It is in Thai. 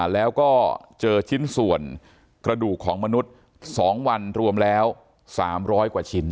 แล้วก็เจอชิ้นส่วนกระดูกของมนุษย์๒วันรวมแล้ว๓๐๐กว่าชิ้น